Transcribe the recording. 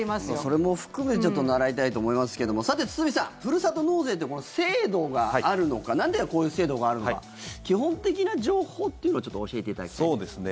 それも含めちょっと習いたいと思いますけどさて、堤さん、ふるさと納税って制度があるのかなんでこういう制度があるのか基本的な情報というのをちょっと教えていただきたいです。